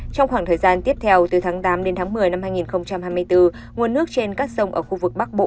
trong khoảng thời gian tiếp theo từ tháng tám đến tháng một mươi năm hai nghìn hai mươi bốn nguồn nước trên các sông ở khu vực bắc bộ